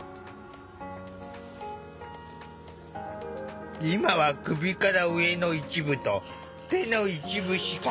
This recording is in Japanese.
今は首から上の一部と手の一部しか動かせないため。